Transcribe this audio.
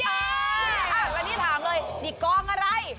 อ้าวแล้วนี่ถามเลยดิกองอะไร